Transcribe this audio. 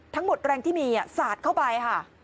ทั้งหมดแรงที่มีสัตว์เข้าไปค่ะ